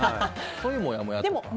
そういうもやもやとか。